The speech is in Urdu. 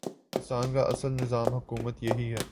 پاکستان کا اصل نظام حکومت یہی ہے۔